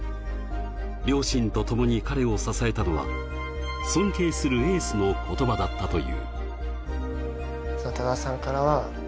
両親とともに彼を支えたのは尊敬するエースの言葉だったという。